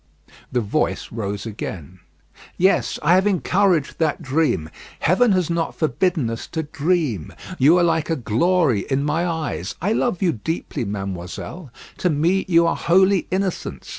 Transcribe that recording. The voice rose again: "Yes, I have encouraged that dream. Heaven has not forbidden us to dream. You are like a glory in my eyes. I love you deeply, mademoiselle. To me you are holy innocence.